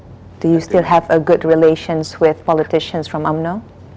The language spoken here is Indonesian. apakah anda masih memiliki hubungan yang baik dengan politik dari umno